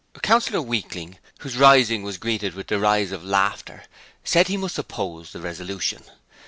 Councillor Weakling, whose rising was greeted with derisive laughter, said he must oppose the resolution.